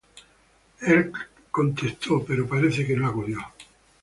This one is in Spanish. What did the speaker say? Él le contestó, pero parece que no acudió.